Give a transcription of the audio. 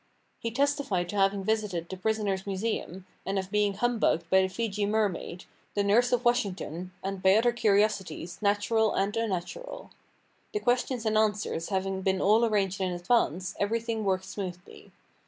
He testified to having visited the prisoner's Museum, and of being humbugged by the Fejee Mermaid; the nurse of Washington; and by other curiosities, natural and unnatural. The questions and answers having been all arranged in advance, everything worked smoothly.